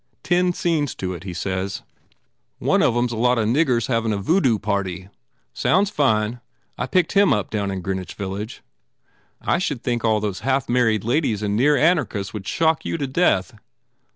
Ten scenes to it, he says. One of em s a 144 GURDY lot of niggers havin a Voodoo party. Sounds line. I picked him up down in Greenwich village." "I should think all those half married ladies and near anarchists would shock you to death."